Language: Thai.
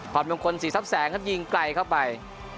ผ่อนมุมคนสีทรัพย์แสงครับยิงไกลเข้าไป